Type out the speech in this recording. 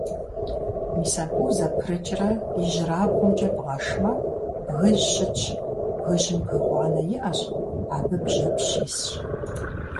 Мис абы узэпрыкӀрэ ижьырабгъумкӀэ бгъэшмэ, бгыжь щытщ, бгыжьым бгы гъуанэ иӀэщ, абы бжьэпщ исщ.